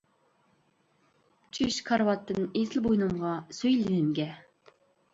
چۈش كارىۋاتتىن ئېسىل بوينۇمغا سۆي لېۋىمگە!